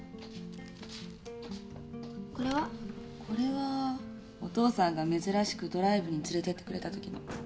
これはお父さんが珍しくドライブに連れてってくれたときの。